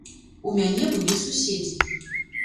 У мяне былі суседзі.